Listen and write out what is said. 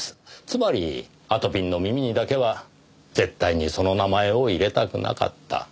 つまりあとぴんの耳にだけは絶対にその名前を入れたくなかった。